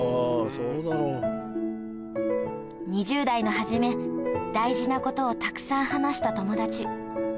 ２０代の初め大事なことをたくさん話した友達